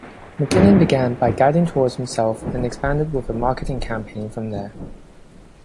McKinnon began by guiding tours himself and expanded with a marketing campaign from there.